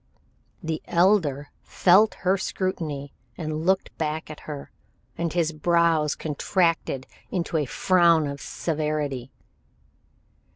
The Elder felt her scrutiny and looked back at her, and his brows contracted into a frown of severity.